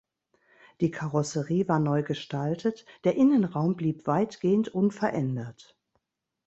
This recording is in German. Die Karosserie war neu gestaltet, der Innenraum blieb weitgehend unverändert.